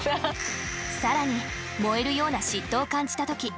さらに「燃えるような嫉妬を感じた時」。